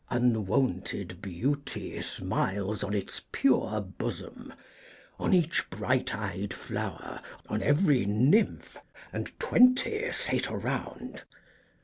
Unwonted beauty smiles " On its pure bosom, on each bright eyed flower, On every nymph, and twenty sate around.